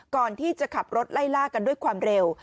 ก่อนที่จะขับรถไล่ล่ากันด้วยความเร็ว